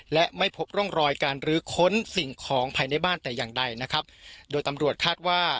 และไม่พบร่องรอยการรื้อค้นสิ่งของภายในบ้านแต่อย่างใดนะครับโดยตำรวจคาดว่า